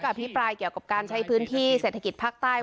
อภิปรายเกี่ยวกับการใช้พื้นที่เศรษฐกิจภาคใต้